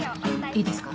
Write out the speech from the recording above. いいですか？